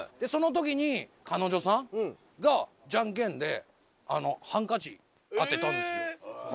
そのときに彼女さんがじゃんけんでハンカチ当てたんですよ。